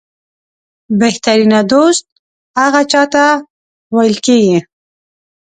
بهترینه دوست هغه چاته ویل کېږي